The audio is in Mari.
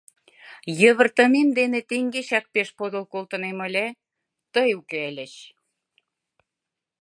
Йывыртымем дене теҥгечак пеш подыл колтынем ыле, тый уке ыльыч.